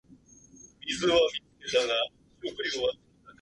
急停車に注意